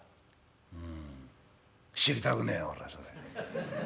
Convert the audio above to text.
「うん知りたくねえ俺それ。